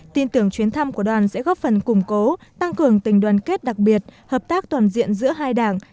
tin tưởng chuyến thăm của đoàn sẽ góp phần củng cố tăng cường tình đoàn kết đặc biệt hợp tác toàn diện giữa hai đảng